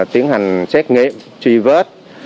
tiến hành xét nghiệm du vết